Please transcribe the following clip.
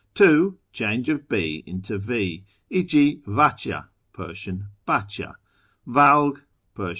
(2) Change of B into V ; e.g. vacha (Pers. bacha), vcdg (Pers.